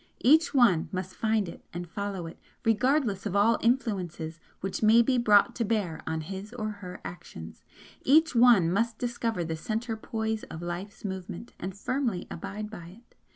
Each one must find it and follow it, regardless of all 'influences' which may be brought to bear on his or her actions, each one must discover the Centre poise of Life's movement, and firmly abide by it.